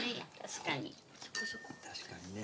確かにね。